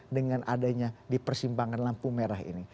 dengan adanya di persimpangan lampu merah ini